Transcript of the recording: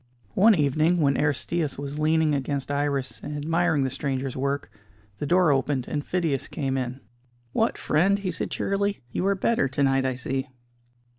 One evening, when Aristćus was leaning against Iris, and admiring the stranger's work, the door opened and Phidias came in. "What, friend," he said cheerily, "you are better to night I see!"